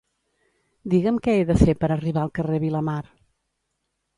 Digue'm què he de fer per arribar al carrer Vilamar.